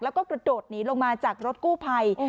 แล้วก็กระโดดหนีลงมาจากรถกู้ภัย